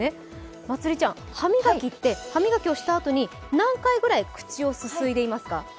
まつりちゃん、歯磨きをしたあとに何回ぐらい口をすすいでいますか。